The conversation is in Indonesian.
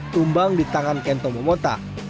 membang di tangan kento momota